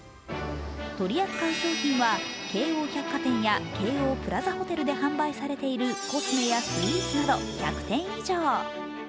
取り扱う商品は京王百貨店や京王プラザホテルで販売されているコスメやスイーツなど１００点以上。